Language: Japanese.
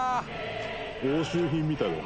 押収品みたいだな。